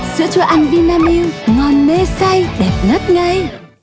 sữa chua ăn vinamilk ngon mê say đẹp ngất ngây